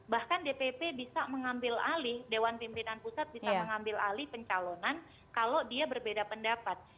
bahkan dpp bisa mengambil alih dewan pimpinan pusat bisa mengambil alih pencalonan kalau dia berbeda pendapat